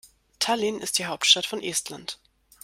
Tallinn ist die Hauptstadt von Estland.